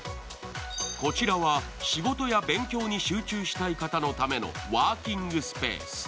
こちらは仕事や勉強に集中したい方のためのワーキングスペース。